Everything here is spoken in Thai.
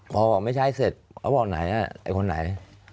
พอบอกไม่ใช่เสร็จเขาบอกไหนไอ้คนไหน